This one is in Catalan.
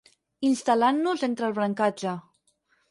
Instal·lant-nos entre el brancatge.